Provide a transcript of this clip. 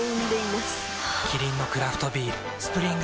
キリンのクラフトビール「スプリングバレー」